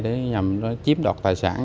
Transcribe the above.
để nhằm chiếm đọt tài sản